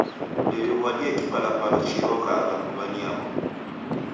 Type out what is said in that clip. Ndew'iw'adie kipalapala chiroghagha mbuw'a ni yaw'o.